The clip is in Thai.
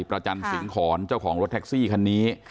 ประจันสิงหอนเจ้าของรถแท็กซี่คันนี้